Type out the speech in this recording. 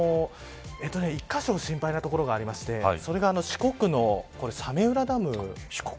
１カ所、心配な所がありましてそれが四国の早明浦ダム。